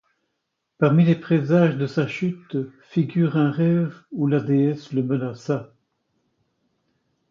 Parmi les présages de sa chute figure un rêve où la déesse le menaça.